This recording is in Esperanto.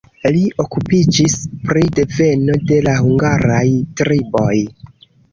Li okupiĝis pri deveno de la hungaraj triboj.